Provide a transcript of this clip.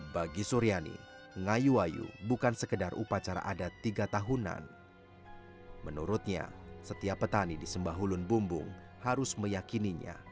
bagi suryani ngayu ayu bukanlah sebuah perhubungan